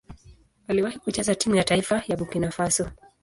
Aliwahi kucheza timu ya taifa ya Burkina Faso.